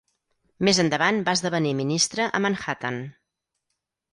Més endavant va esdevenir ministre a Manhattan.